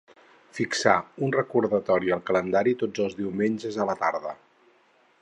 Fixar un recordatori al calendari tots els diumenges a la tarda.